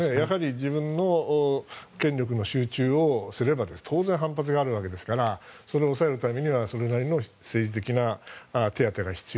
自分に権力が集中すると当然、反発があるわけですからそれを抑えるためにはそれなりの政治的手当てが必要。